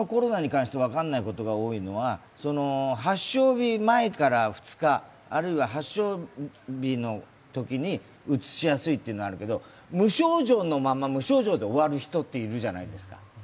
いまだにコロナに関して分からないことが多いのは発症日前から２日、あるいは発症日のときにうつしやすいというのがあるけれども無症状のまま無症状で終わる人っているじゃないですか。